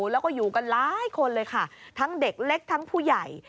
แล้วก็อยู่กันหลายคนเลยค่ะทั้งเด็กเล็กทั้งผู้ใหญ่